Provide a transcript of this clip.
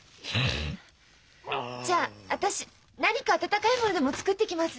じゃあ私何か温かいものでも作ってきます。